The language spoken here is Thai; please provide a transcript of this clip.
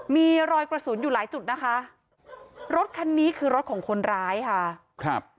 มีรอยกระสุนอยู่หลายจุดนะคะรถคันนี้คือรถของคนร้ายค่ะครับ